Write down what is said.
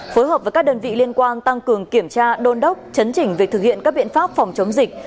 phối hợp với các đơn vị liên quan tăng cường kiểm tra đôn đốc chấn chỉnh việc thực hiện các biện pháp phòng chống dịch